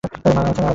মা আছেন এক জায়গায়।